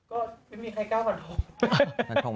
ก็ไม่มีใครกล้าฝันทง